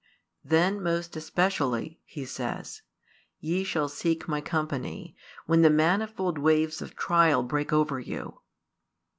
"Then most especially," He says, "ye shall seek My company, when the manifold waves of trial break over you."